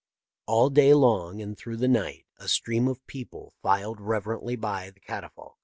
All day long and through the night a stream of people filed reverently by the catafalque.